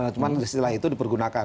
cuman istilah itu dipergunakan